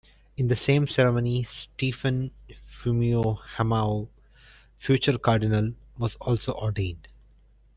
In the same ceremony Stephen Fumio Hamao, future cardinal, was also ordained.